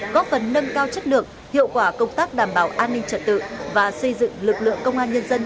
góp phần nâng cao chất lượng hiệu quả công tác đảm bảo an ninh trật tự và xây dựng lực lượng công an nhân dân